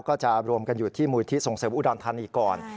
ก็จะรวมกันอยู่ที่มูลที่ส่งเสริมอุดรธานีก่อน